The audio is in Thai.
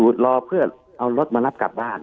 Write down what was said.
คุณหมอประเมินสถานการณ์บรรยากาศนอกสภาหน่อยได้ไหมคะ